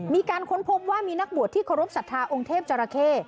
มีการค้นพบว่ามีนักบวชที่ขอรบศรัทธาองค์เทพจอห์ละเข้